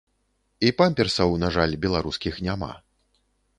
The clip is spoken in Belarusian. І памперсаў, на жаль, беларускіх няма.